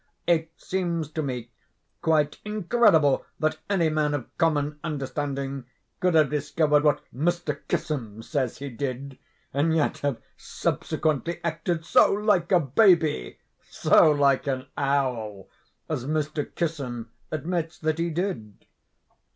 It seems to me quite incredible that any man of common understanding could have discovered what Mr. Kissam says he did, and yet have subsequently acted so like a baby—so like an owl—as Mr. Kissam admits that he did.